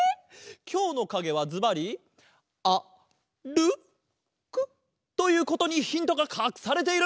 きょうのかげはずばり「あるく」ということにヒントがかくされている！